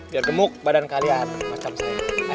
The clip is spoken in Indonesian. biar gemuk badan kalian macam saya